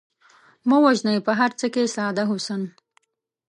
مه وژنئ په هر څه کې ساده حسن